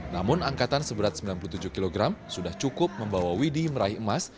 namun angkatan seberat sembilan puluh tujuh kg sudah cukup membawa widhi meraih emas